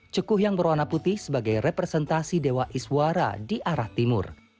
ceku yang berwarna putih sebagai representasi dewa iswara di arah timur